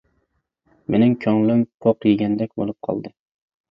مېنىڭ كۆڭلۈم پوق يېگەندەك بولۇپ قالدى.